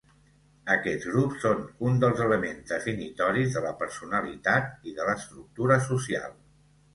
Aquests grups són un dels elements definitoris de la personalitat i de l'estructura social.